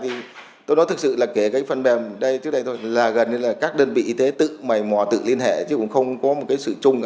thì tôi nói thực sự là kể cái phần mềm đây trước đây thôi là gần như là các đơn vị y tế tự mày mò tự liên hệ chứ cũng không có một cái sự chung